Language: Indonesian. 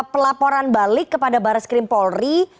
pelaporan balik kepada baris krim polri